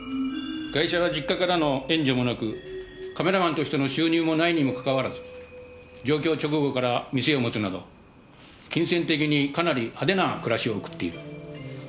ガイシャは実家からの援助もなくカメラマンとしての収入もないにもかかわらず上京直後から店を持つなど金銭的にかなり派手な暮らしを送っている。